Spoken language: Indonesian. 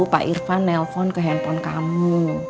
pak irfan nelfon ke handphone kamu